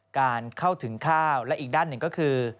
การเข้าถึงข้าวและอีกด้านหนึ่งก็คือ